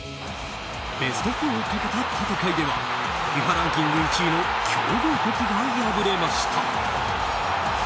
ベスト４をかけた戦いではＦＩＦＡランキング１位の強豪国が破れました。